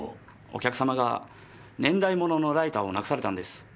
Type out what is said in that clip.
お客様が年代物のライターを無くされたんです。